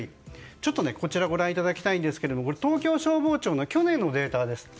ちょっとこちらをご覧いただきたいんですが東京消防庁の去年のデータです。